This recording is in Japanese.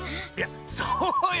そうよ